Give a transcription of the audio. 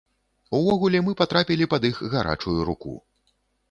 Увогуле, мы патрапілі пад іх гарачую руку.